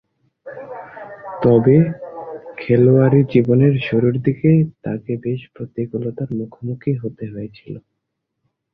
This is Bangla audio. তবে, খেলোয়াড়ী জীবনের শুরুরদিকে তাকে বেশ প্রতিকূলতার মুখোমুখি হতে হয়েছিল।